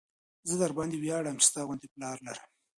زه درباندې وياړم چې ستا غوندې پلار لرم.